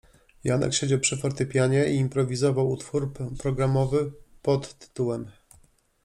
Janek siedział przy fortepianie i improwizował utwór programowy pt.